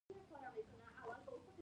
آیا باغي ته په ټولنه کې ځای نشته؟